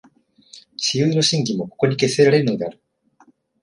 思惟の真偽もここに決せられるのである。